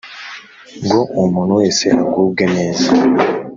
ngo umuntu wese agubwe neza